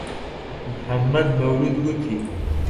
محەممەد مەولوود گوتی: